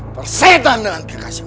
aku sudah punya kekasih